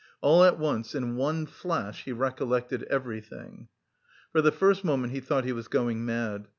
All at once, in one flash, he recollected everything. For the first moment he thought he was going mad.